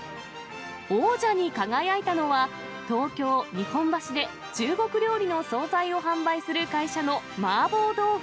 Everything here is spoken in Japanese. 王者に輝いたのは、東京・日本橋で中国料理の総菜を販売する会社の麻婆豆腐。